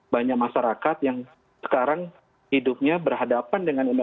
banyak masyarakat yang sekarang hidupnya berhadapan dengan kemampuan